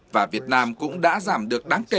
và việt nam cũng đã giảm được đáng kỳ